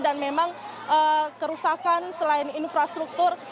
dan memang kerusakan selain infrastruktur